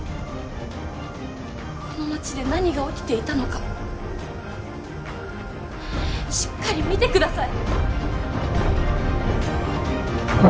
この町で何が起きていたのかしっかり見てください。